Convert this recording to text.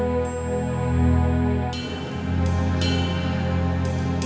iya itu ada yang bisa dikira